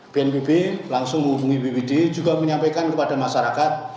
bnpb langsung menghubungi bpd juga menyampaikan kepada masyarakat